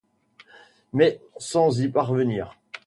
mais sans y parvenir.